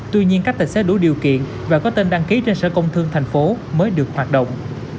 tuy nhiên các tài xế đủ điều kiện và có tên đăng ký trên sở công thương thành phố mới được hoạt động